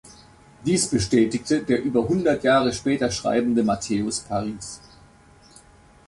Dies bestätigte der über hundert Jahre später schreibende Matthäus Paris.